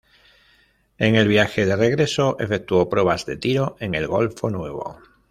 En el viaje de regreso efectuó pruebas de tiro en el Golfo Nuevo.